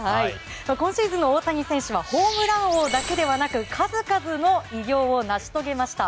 今シーズンの大谷選手はホームラン王だけではなく数々の偉業を成し遂げました。